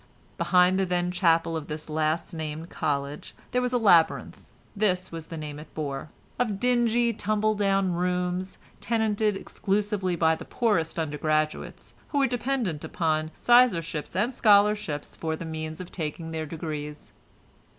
Behind the then chapel of this last named college, there was a "labyrinth" (this was the name it bore) of dingy, tumble down rooms, tenanted exclusively by the poorest undergraduates, who were dependent upon sizarships and scholarships for the means of taking their degrees.